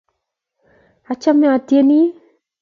Achame atieni